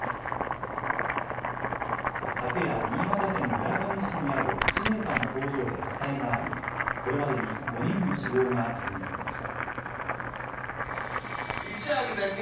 昨夜、新潟県村上市にある菓子メーカーの工場で火災があり、これまでに５人の死亡が確認されました。